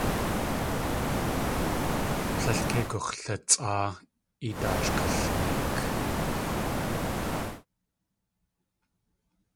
Tlél kei gux̲latsʼáa i daat sh kalneek.